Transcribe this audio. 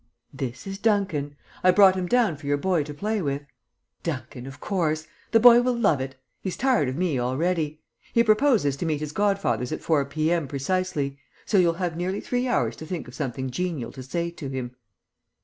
"This is Duncan. I brought him down for your boy to play with." "Duncan, of course. The boy will love it. He's tired of me already. He proposes to meet his godfathers at four p.m. precisely. So you'll have nearly three hours to think of something genial to say to him."